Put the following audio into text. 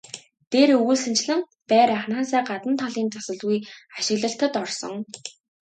Дээр өгүүлсэнчлэн байр анхнаасаа гадна талын засалгүй ашиглалтад орсон.